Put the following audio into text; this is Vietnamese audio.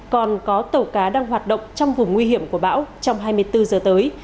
còn có tàu cá đang hoạt động trong vùng nguy hiểm của bão trong hai mươi bốn giờ tới